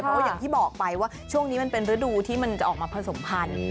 เพราะว่าอย่างที่บอกไปว่าช่วงนี้มันเป็นฤดูที่มันจะออกมาผสมพันธุ์